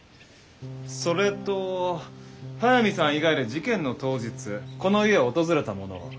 それと速水さん以外で事件の当日この家を訪れた者は？